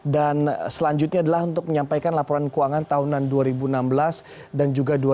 dan selanjutnya adalah untuk menyampaikan laporan keuangan tahunan dua ribu enam belas dan juga dua ribu tujuh belas